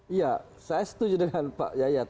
iya saya setuju dengan pak yayat